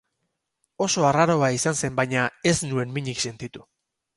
Oso arraroa izan zen, baina ez nuen minik sentitu.